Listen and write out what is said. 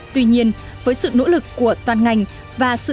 tuy nhiên với sự nỗ lực của toàn ngành và sản xuất nông nghiệp